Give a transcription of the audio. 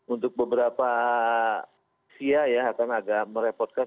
untuk beberapa sia ya akan agak merepotkan